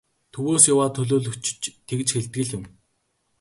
Төвөөс яваа төлөөлөгчид ч тэгж хэлдэг л юм.